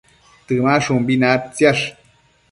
Temashumbi naidtsiash